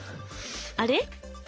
あれ？